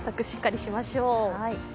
しっかりしましょう。